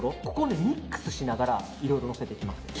ここをミックスしながらいろいろ乗せていきます。